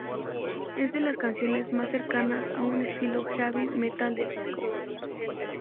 Es de las canciones más cercanas a un estilo Heavy metal del disco.